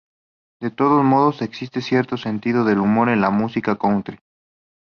De todos modos, existe cierto sentido del humor en la música "country"".